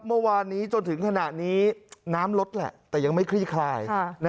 เมื่อวานนี้จนถึงขณะนี้น้ำลดแหละแต่ยังไม่คลี่คลาย